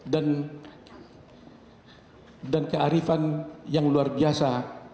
dan kearifan yang luar biasa